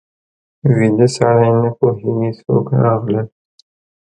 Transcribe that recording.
ویده سړی نه پوهېږي څوک راغلل